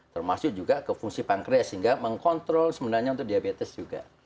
termasuk juga ke fungsi pankret sehingga mengkontrol sebenarnya untuk diabetes juga